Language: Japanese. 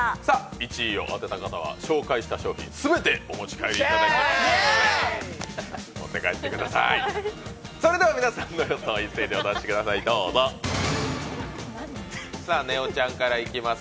１位を当てた方は紹介した商品全てお持ち帰りいただきます。